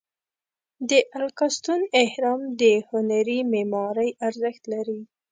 د الکاستون اهرام د هنري معمارۍ ارزښت لري.